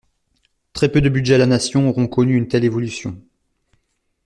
Très peu de budgets à la nation auront connu une telle évolution.